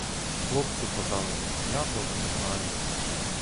Хлопці казали — я того не знаю.